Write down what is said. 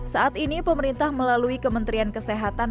saat ini pemerintah melalui kementerian kesehatan